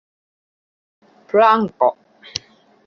planko